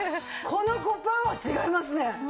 この５パーは違いますね。